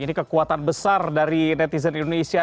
ini kekuatan besar dari netizen indonesia